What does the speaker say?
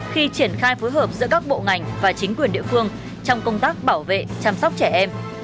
khi triển khai phối hợp giữa các bộ ngành và chính quyền địa phương trong công tác bảo vệ chăm sóc trẻ em